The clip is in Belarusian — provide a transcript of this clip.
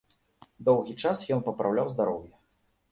Доўгі час ён папраўляў здароўе.